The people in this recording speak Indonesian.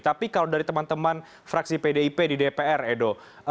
tapi kalau dari teman teman fraksi pdip di dpr edo